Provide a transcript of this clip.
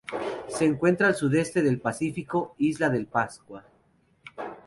Se encuentran al sudeste del Pacífico: Isla de Pascua.